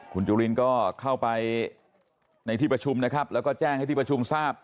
คุณจุลินก็เข้าไปในที่ประชุมนะครับแล้วก็แจ้งให้ที่ประชุมทราบ